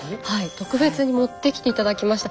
特別に持ってきて頂きました。